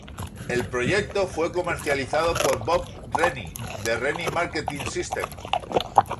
El proyecto fue comercializado por Bob Rennie de Rennie Marketing Systems.